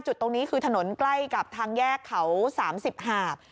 จุดตรงนี้คือถนนใกล้กับทางแยกเขา๓๐หาบ